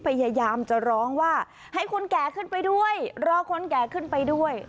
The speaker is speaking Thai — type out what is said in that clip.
พยายามจะร้องว่าให้คนแก่ขึ้นไปด้วยรอคนแก่ขึ้นไปด้วย